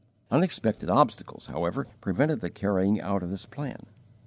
Unexpected obstacles, however, prevented the carrying out of this plan.